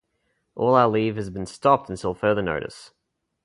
All our leave has been stopped until further notice.